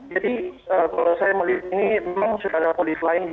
jadi kalau saya melihat ini memang sudah ada polis lain